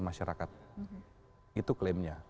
masyarakat itu klaimnya